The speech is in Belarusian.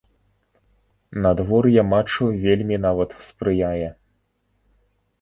Надвор'е матчу вельмі нават спрыяе.